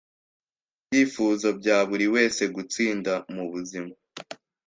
Nibyifuzo bya buri wese gutsinda mubuzima.